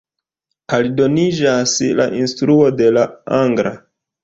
Aldoniĝas la instruo de la angla.